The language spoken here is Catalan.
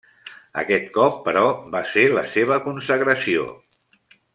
Aquest cop, però, va ser la seva consagració.